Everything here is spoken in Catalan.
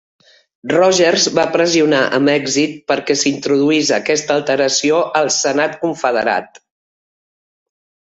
Rogers va pressionar amb èxit perquè s'introduís aquesta alteració al Senat Confederat.